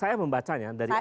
saya membacanya dari